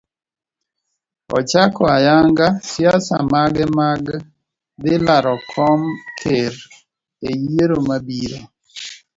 Ochako ayanga siasa mage mag dhi laro kom ker eyiero mabiro.